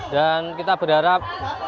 dan kita berharap